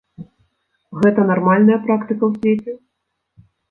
Гэта нармальная практыка ў свеце?